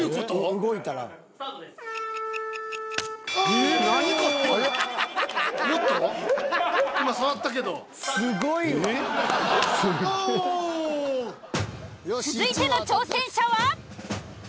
続いての挑戦者は？